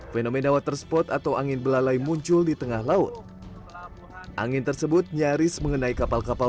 fenomena water spot atau angin belalai muncul di tengah laut angin tersebut nyaris mengenai kapal kapal